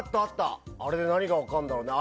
あれで何が分かるんだろうね。